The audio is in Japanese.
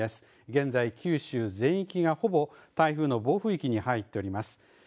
現在九州全域がほぼ台風の暴風域に入っております。